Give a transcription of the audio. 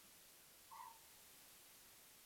হঠাৎ দয়া দেখাচ্ছিস মনে হয়, হাহ?